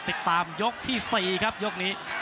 ติดตามยกที่๔ครับยกนี้